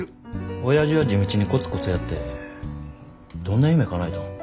おやじは地道にコツコツやってどんな夢かなえたん。